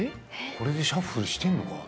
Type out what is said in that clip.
これでシャッフルしてんのかな？